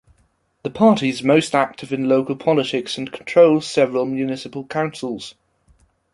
The party is most active in local politics and controls several municipal councils.